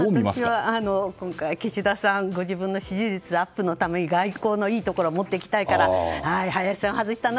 私は今回、岸田さんはご自身の支持率アップのために外交のいいところを持っていきたいから林さんを外したな。